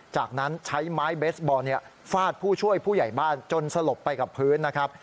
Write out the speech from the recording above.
จากนั้นใช้ไม้เบสบอลฟาดผู้ช่วยผู้ใหญ่บ้านจนสลบไปกับพื้นนะครับ